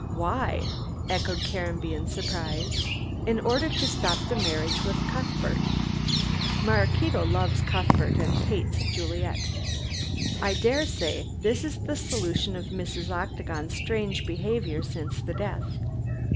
"Why?" echoed Caranby in surprise, "in order to stop the marriage with Cuthbert. Maraquito loves Cuthbert and hates Juliet. I daresay this is the solution of Mrs. Octagon's strange behavior since the death.